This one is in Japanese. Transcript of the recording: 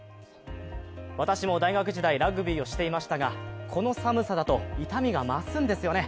私も大学時代ラグビーをしていましたが、この寒さだと痛みが増すんですよね。